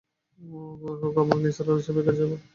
ভোর হোক, আমরা নিসার আলি সাহেবের কাছে যাব!